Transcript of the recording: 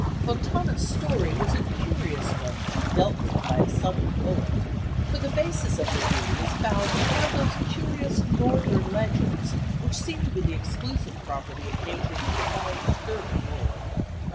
Fontana's story was a curious one to be dealt with by a Southern poet; for the basis of Le Villi is found in one of those curious Northern legends which seem to be the exclusive property of natures of far sterner mould.